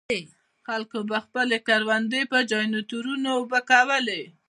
خلکو به خپلې کروندې په جنراټورونو اوبه کولې.